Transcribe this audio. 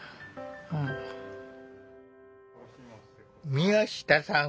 宮下さん